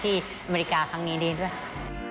ที่อเมริกาทั้งนี้ได้ด้วย